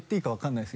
いいです！